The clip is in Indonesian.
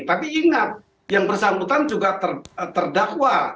tapi ingat yang bersangkutan juga terdakwa